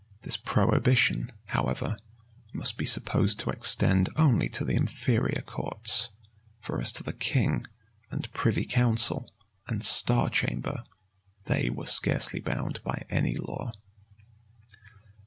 [v] This prohibition, however, must be supposed to extend only to the inferior courts: for as to the king, and privy council, and star chamber, they were scarcely bound by any law.